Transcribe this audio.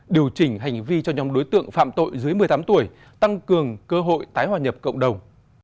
điều chỉnh hành vi cho nhóm đối tượng phạm tội dưới một mươi tám tuổi tăng cường cơ hội tái hòa nhập cộng đồng